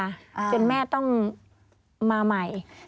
จนแม่ต้องมาใหม่